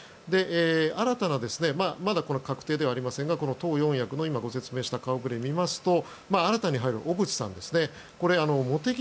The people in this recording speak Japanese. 新たなまだ確定ではありませんが党四役の今ご説明した顔触れを見ますと新たに入る小渕さんですね茂木